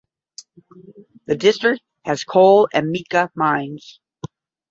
The district has coal and mica mines.